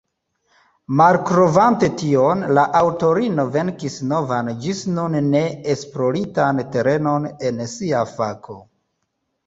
Malkovrante tion, la aŭtorino venkis novan ĝis nun ne esploritan terenon en sia fako.